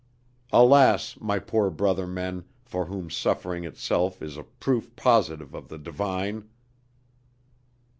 Alas my poor brother men, for whom suffering itself is a proof positive of the divine!...